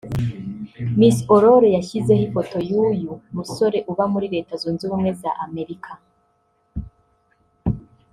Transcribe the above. Miss Aurore yashyizeho ifoto y’uyu musore uba muri Leta Zunze Ubumwe za Amerika